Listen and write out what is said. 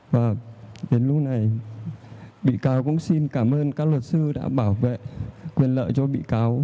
và đến lúc này bị cáo cũng xin cảm ơn các luật sư đã bảo vệ quyền lợi cho bị cáo